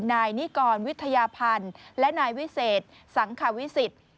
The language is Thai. นายนิกรวิทยาพันธ์และนายวิเศษสังควิสิทธิ์